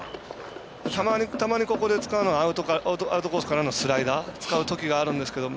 たまに、ここで使うのがアウトコースからのスライダーを使うときあるんですけど。